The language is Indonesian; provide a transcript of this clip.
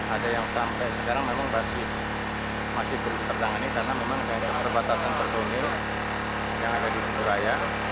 ada yang sampai sekarang memang masih berperdangan ini karena memang ada perbatasan terbunyi yang ada di jendulaya